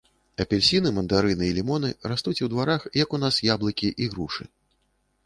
Апельсіны, мандарыны і лімоны растуць у дварах, як у нас яблыкі і грушы.